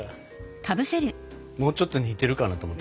もうちょっと似てるかなと思った。